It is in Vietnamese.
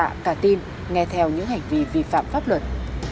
nghe tin nghe theo những hành vi vi phạm pháp luật